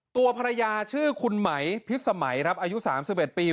ตัวภรรยาชื่อคุณไหมพิษสมัยครับอายุสามสิบเอ็ดปี